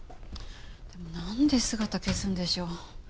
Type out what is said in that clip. でもなんで姿消すんでしょう。